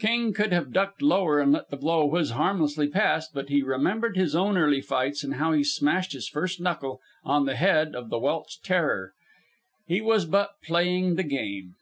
King could have ducked lower and let the blow whiz harmlessly past, but he remembered his own early fights and how he smashed his first knuckle on the head of the Welsh Terror. He was but playing the game.